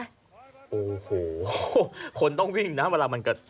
โอ้โหคนต้องวิ่งนะเวลามันกระ